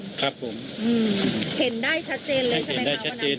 ๓๕๐๐๐มิดันครับผมเห็นได้ชัดเจนเลยใช่ไหมชัดเจน